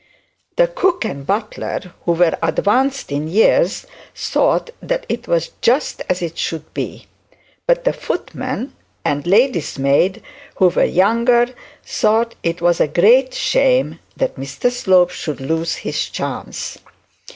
The cook and butler, who were advanced in years, thought that it was just as it should be; but the footman and lady's maid, who were younger, thought it was a great shame that Mr Slope should lose his chance.